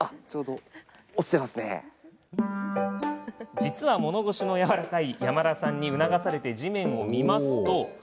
実は物腰のやわらかい山田さんに促されて地面を見ますと。